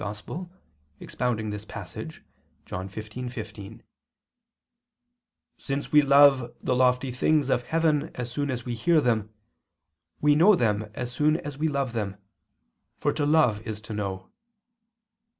] expounding this passage [*John 15:15] says: "Since we love the lofty things of heaven as soon as we hear them, we know them as soon as we love them, for to love is to know.